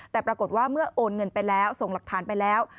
แต่ปรากฏว่าเมื่อโอนเงินไปแล้วส่งหลักฐานไปแล้ว